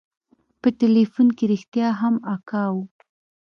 په ټېلفون کښې رښتيا هم اکا و.